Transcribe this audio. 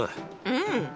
うん。